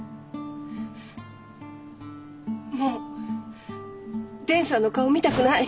もう伝さんの顔見たくない。